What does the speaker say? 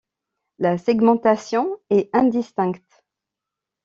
La segmentation est indistincte.